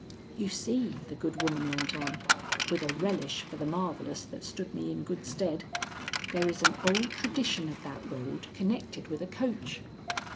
"You see," the good woman went on, with a relish for the marvellous that stood me in good stead, "there is an old tradition of that road connected with a coach.